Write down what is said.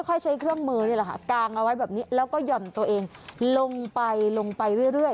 ค่อยใช้เครื่องมือนี่แหละค่ะกางเอาไว้แบบนี้แล้วก็ห่อนตัวเองลงไปลงไปเรื่อย